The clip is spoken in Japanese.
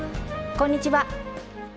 こんにちは。